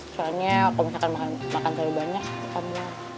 soalnya kalau misalkan makan terlalu banyak kamu